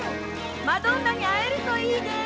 マドンナに会えるといいね！